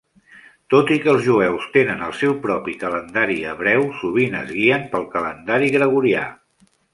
Tot i que els jueus tenen el seu propi calendari hebreu, sovint es guien pel calendari gregorià.